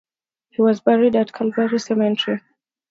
He was buried at Calvary Cemetery.